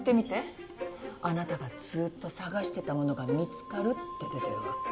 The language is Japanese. あなたがずっと探してたものが見つかるって出てるわ。